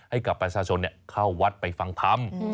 ให้กับประชาชนเข้าวัดไปฟังธรรม